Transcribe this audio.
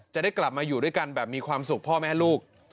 จะได้กลับมาอยู่ด้วยกันแบบมีความสุขพ่อแม่ลูก